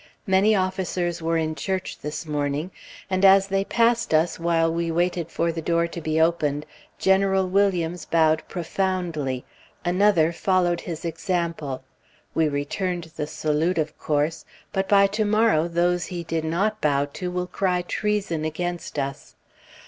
Many officers were in church this morning, and as they passed us while we waited for the door to be opened, General Williams bowed profoundly, another followed his example; we returned the salute, of course. But by to morrow, those he did not bow to will cry treason against us.